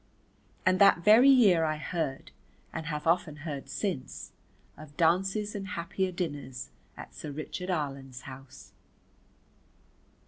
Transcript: And that very year I heard, and have often heard since, of dances and happier dinners at Sir Richard Arlen's house.